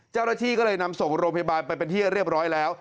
เจ้าหน้าที่ก็เลยนำส่งโรงพยาบาลไปเป็นที่เรียบร้อยแล้ว